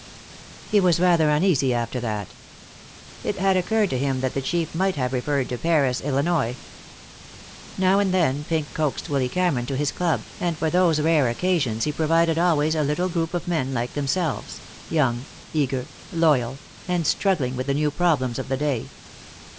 He was rather uneasy after that. It had occurred to him that the Chief might have referred to Paris, Illinois. Now and then Pink coaxed Willy Cameron to his club, and for those rare occasions he provided always a little group of men like themselves, young, eager, loyal, and struggling with the new problems of the day.